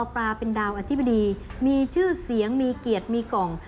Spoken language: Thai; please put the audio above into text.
ปลาเป็นดาวอธิบดีมีชื่อเสียงมีเกียรติมีกล่อง